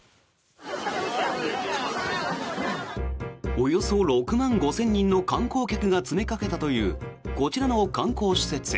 およそ６万５０００人の観光客が詰めかけたというこちらの観光施設。